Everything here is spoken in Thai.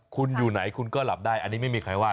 คุณอยู่ไหนคุณก็หลับได้อันนี้ไม่มีใครว่า